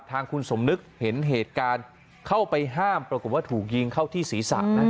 ทางคุณสมนึกเห็นเหตุการณ์เข้าไปห้ามปรากฏว่าถูกยิงเข้าที่ศีรษะนั้น